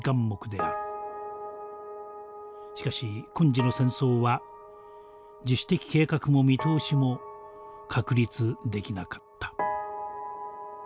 しかし今時の戦争は自主的計画も見通しも確立出来なかった」。